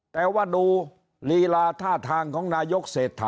แต่ว่าดูลีลาท่าทางของนายกเศรษฐา